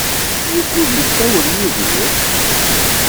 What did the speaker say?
Wukud yessawel Yidir?